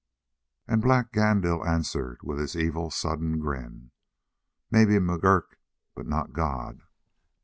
And Black Gandil answered with his evil, sudden grin: "Maybe McGurk, but not God."